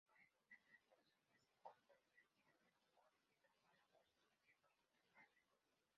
Luego vendrían dos años de controversia jurídica, por la custodia a cargo del padre.